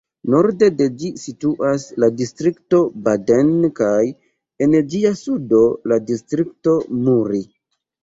Norde de ĝi situas la distrikto Baden kaj en ĝia sudo la distrikto Muri.